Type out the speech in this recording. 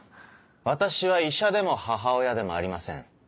私は医者でも母親でもありません。